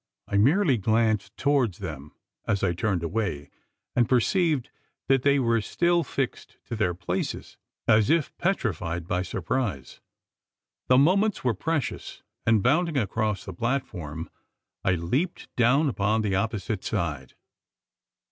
I merely glanced towards them, as I turned away; and perceived that they were still fixed to their places, as if petrified by surprise! The moments were precious; and, bounding across the platform, I leaped down upon the opposite side.